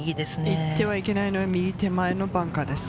行ってはいけないのは右手前のバンカーです。